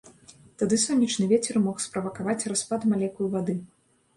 Тады сонечны вецер мог справакаваць распад малекул вады.